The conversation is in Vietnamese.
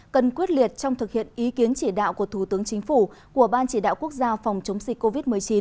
cần quyết liệt trong thực hiện ý kiến chỉ đạo của thủ tướng chính phủ của ban chỉ đạo quốc gia phòng chống dịch covid một mươi chín